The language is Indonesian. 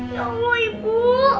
ya allah ibu